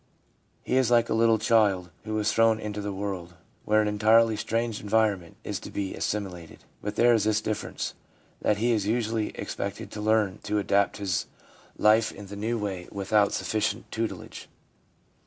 He is like a little child who is thrown into the world where an entirely strange environment is to be assimilated ; but there is this difference, that he is usually expected to learn to adapt his life in the new way without sufficient tutelage.